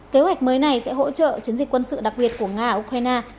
kế hoạch mới này sẽ hỗ trợ chiến dịch quân sự đặc biệt của nga ở ukraine